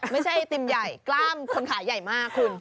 ไม่ใช่ไอติมใหญ่กล้ามคนขาใหญ่มากคุณ